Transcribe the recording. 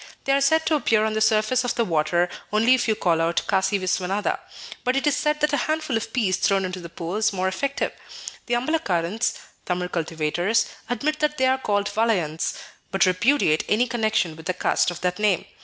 They are said to appear on the surface of the water only if you call out "Kasi Visvanatha." But it is said that a handful of peas thrown into the pool is more effective. The Ambalakkarans (Tamil cultivators) admit that they are called Valaiyans, but repudiate any connection with the caste of that name.